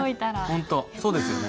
本当そうですよね。